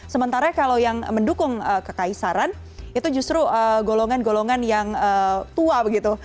sementara kalau yang mendukung kekaisaran itu justru golongan golongan yang tua begitu